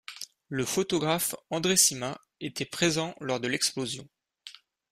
Le photographe André Sima était présent lors de l'explosion.